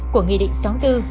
của nghị định sáu mươi bốn